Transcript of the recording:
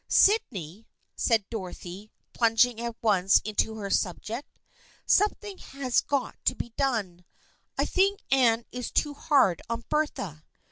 " Sydney," said Dorothy, plunging at once into her subject, " something has got to be done. I think Anne is too hard on Bertha.